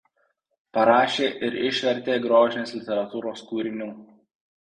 Parašė ir išvertė grožinės literatūros kūrinių.